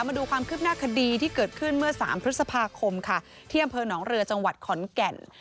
มาดูความคืบหน้าคดีที่เกิดขึ้นเมื่อ๓พฤษภาคมค่ะที่อำเภอหนองเรือจังหวัดขอนแก่น